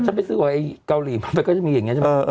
ฉันไม่ซื้อไอ้เกาหลีมันก็จะมีอย่างเงี้ยใช่ไหม